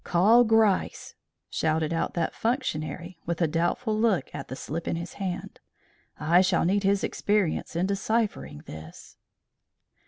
"Call Gryce!" shouted out that functionary, with a doubtful look at the slip in his hand; "I shall need his experience in deciphering this."